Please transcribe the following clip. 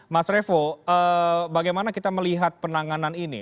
mas revo bagaimana kita melihat penanganan ini